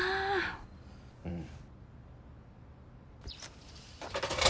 うん。